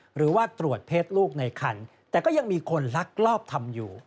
หรือว่าตรวจเพศลูกในคันแต่ก็ยังมีคนลักลอบทำอยู่